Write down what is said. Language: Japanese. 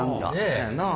せやなあ。